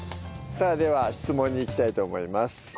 さあでは質問にいきたいと思います。